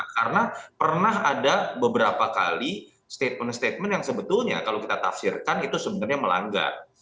karena pernah ada beberapa kali statement statement yang sebetulnya kalau kita tafsirkan itu sebenarnya melanggar